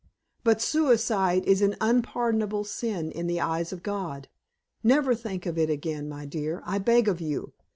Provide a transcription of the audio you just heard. But suicide is an unpardonable sin in the eyes of God. Never think of it again, my dear, I beg of you.